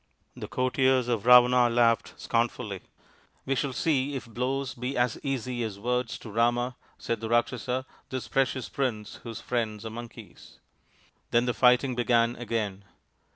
The courtiers of Ravana laughed scornfully. ' We shall see if blows be as easy as words to Rama," ;aid the Rakshasa, " this precious prince whose riends are Monkeys." Then the fighting began again.